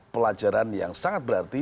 pelajaran yang sangat berarti